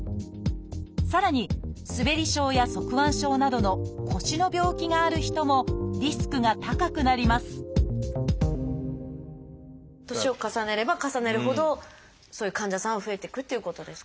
さらに「すべり症」や「側弯症」などの腰の病気がある人もリスクが高くなります年を重ねれば重ねるほどそういう患者さんは増えていくっていうことですか？